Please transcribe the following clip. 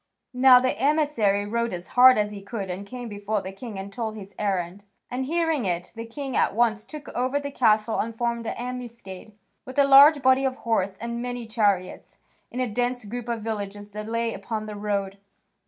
Now the emissary rode as hard as he could and came before the king and told his errand, and, hearing it, the king at once took over the castle and formed an ambuscade, with a large body of horse and many chariots, in a dense group of villages that lay upon the road.